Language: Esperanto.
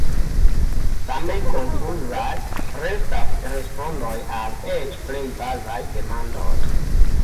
Same konfuzaj restas respondoj al eĉ plej bazaj demandoj.